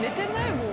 もう。